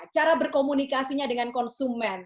cara berkomunikasinya dengan konsumen